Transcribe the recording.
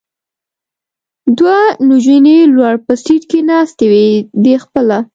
دوه نجونې لوړ په سېټ کې ناستې وې، دی خپله.